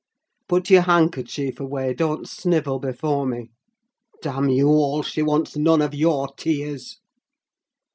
Put your handkerchief away—don't snivel before me. Damn you all! she wants none of your tears!"